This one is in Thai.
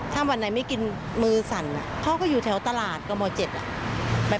ถ้าวันไหนไม่กินมือสั่นเขาก็อยู่แถวตลาดกม๗